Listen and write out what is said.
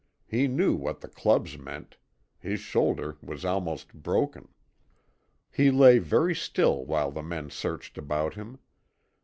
He knew what the clubs meant. His shoulder was almost broken. He lay very still while the men searched about him.